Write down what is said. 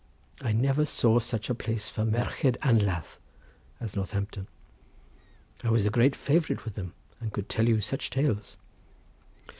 I never saw such a place for merched anladd as Northampton. I was a great favourite with them, and could tell you such tales."